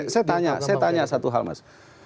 saya tanya satu hal mas